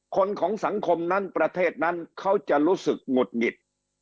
คนของสังคมนั้นประเทศนั้นเขาจะรู้สึกหงุดหงิด